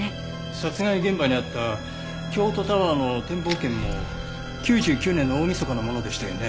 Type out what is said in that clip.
殺害現場にあった京都タワーの展望券も９９年の大みそかのものでしたよね。